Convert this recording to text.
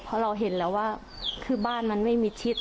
เพราะเราเห็นแล้วว่าคือบ้านมันไม่มีชิด